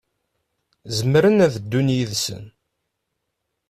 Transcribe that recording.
Zemren ad ddun yid-sen.